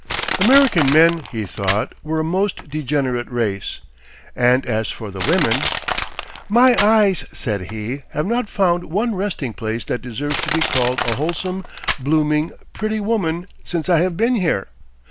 American men, he thought, were a most degenerate race. And as for the women: "My eyes," said he, "have not found one resting place that deserves to be called a wholesome, blooming, pretty woman, since I have been here.